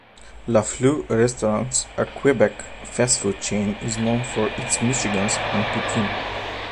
Lafleur Restaurants, a Quebec fast food chain, is known for its Michigans and poutine.